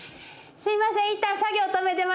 すいません